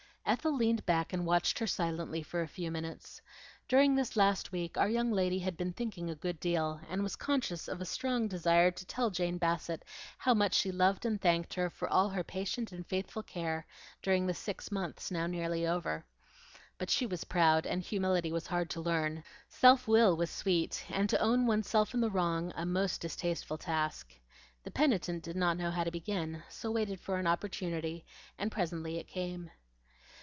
Ethel leaned back and watched her silently for a few minutes. During this last week our young lady had been thinking a good deal, and was conscious of a strong desire to tell Jane Bassett how much she loved and thanked her for all her patient and faithful care during the six months now nearly over. But she was proud, and humility was hard to learn; self will was sweet, and to own one's self in the wrong a most distasteful task. The penitent did not know how to begin, so waited for an opportunity, and presently it came.